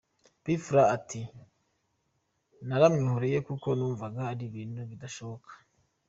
P Fla ati “Naramwihoreye kuko numvaga ari ibintu bidashoboka.